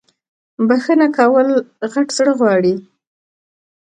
بخښنه کول غت زړه غواړی